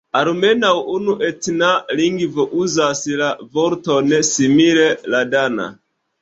Almenaŭ unu etna lingvo uzas la vorton simile: la dana.